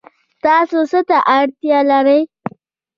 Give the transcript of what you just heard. تاسو څه ته اړتیا لرئ؟